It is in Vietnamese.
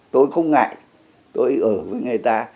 tôi không ngại tôi ở với người ta